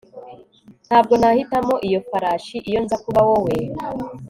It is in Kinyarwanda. Ntabwo nahitamo iyo farashi iyo nza kuba wowe